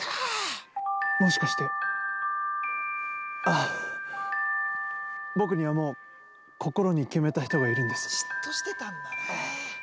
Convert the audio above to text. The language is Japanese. もしかして僕にはもう心に決めた人がいるんです。